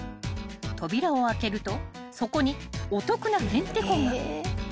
［扉を開けるとそこにお得なヘンテコが］